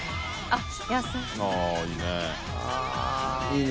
あっ。